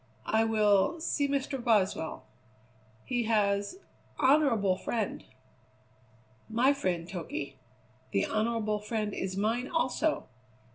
"I will see Mr. Boswell." "He has honourable friend." "My friend, Toky. The honourable friend is mine, also!